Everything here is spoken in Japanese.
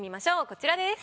こちらです。